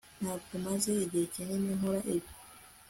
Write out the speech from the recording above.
ntabwo maze igihe kinini nkora ibi